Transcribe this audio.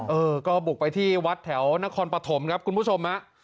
เออก็บุกไปที่วัดแถวนครปฐมครับคุณผู้ชมฮะ